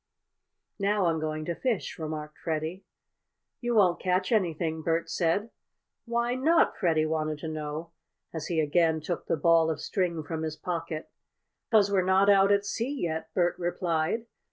"Now I'm going to fish," remarked Freddie. "You won't catch anything," Bert said. "Why not?" Freddie wanted to know, as he again took the ball of string from his pocket. "'Cause we're not out at sea yet," Bert replied.